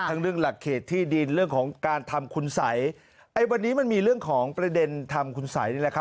เรื่องหลักเขตที่ดินเรื่องของการทำคุณสัยไอ้วันนี้มันมีเรื่องของประเด็นทำคุณสัยนี่แหละครับ